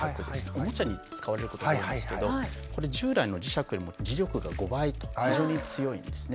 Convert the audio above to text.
おもちゃに使われることが多いんですけどこれ従来の磁石よりも磁力が５倍と非常に強いんですね。